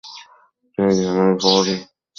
তিনি গ্রামের বাড়ি কালিকচ্ছ ফেরৎ যান।